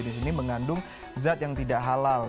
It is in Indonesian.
di sini mengandung zat yang tidak halal